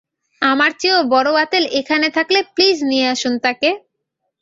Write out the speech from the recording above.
আমার চেয়েও বড় আঁতেল এখানে থাকলে প্লিজ নিয়ে আসুন তাকে!